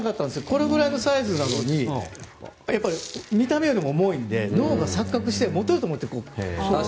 これぐらいのサイズなのに見た目よりも重いので脳が錯覚して持てると思って。